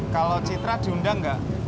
kalau citra diundang gak